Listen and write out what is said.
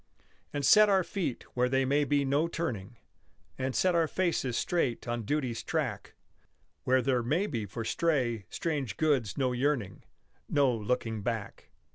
And set our feet where there may be no turning, And set our faces straight on duty's track, Where there may be for stray, strange goods no yearning Nor looking back.